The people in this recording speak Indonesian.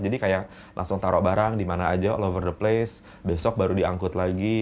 jadi kayak langsung taruh barang dimana aja all over the place besok baru diangkut lagi